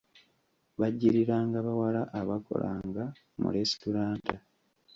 Bajjiriranga bawala abakolanga mu lesitulanta.